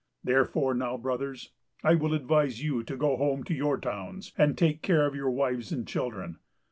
Therefore, now, Brothers, I will advise you to go home to your towns, and take care of your wives and children.